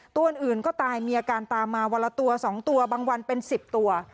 ตัวอื่นก็ตายมีอาการตามมาวันละตัว๒ตัวบางวันเป็น๑๐ตัว